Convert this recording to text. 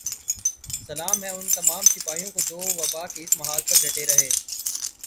سلام ہے ان تمام سپاہیوں کو جو وبا کے اس محاذ پر ڈٹے رہے